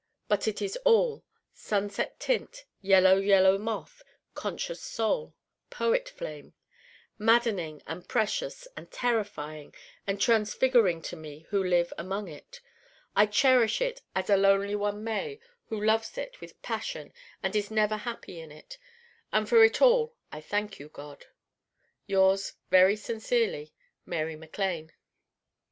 But it is all Sunset Tint, Yellow Yellow Moth, Conscious Soul, Poet Flame maddening and precious and terrifying and transfiguring to me who live among it. I cherish it as a lonely one may who loves it with passion and is never happy in it. And for it all I thank you, God. Yours very sincerely, Mary MacLane.